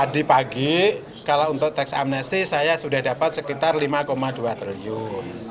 di pagi kalau untuk teks amnesti saya sudah dapat sekitar lima dua triliun